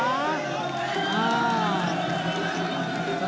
อ่า